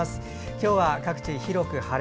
今日は各地広く晴れ。